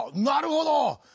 なるほど！